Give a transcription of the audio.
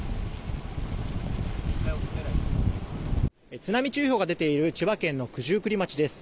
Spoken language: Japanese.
津波注意報が出ている千葉県の九十九里町です。